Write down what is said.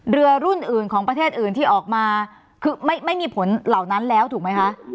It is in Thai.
เรือรุ่นอื่นของประเทศอื่นที่ออกมาคือไม่มีผลเหล่านั้นแล้วถูกไหมคะ